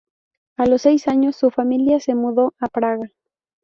A los seis años, su familia se mudó a Praga.